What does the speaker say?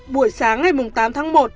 buổi sáng ngày tám tháng một